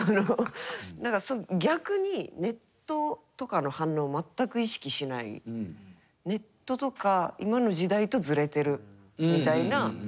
逆にネットとかの反応を全く意識しないネットとか今の時代とズレてるみたいな。